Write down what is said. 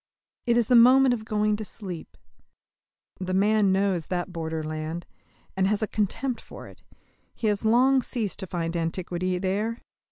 It is the moment of going to sleep. The man knows that borderland, and has a contempt for it: he has long ceased to find antiquity there.